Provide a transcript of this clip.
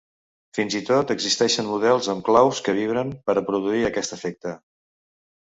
Fins i tot existeixen models amb claus que vibren per a produir aquest efecte.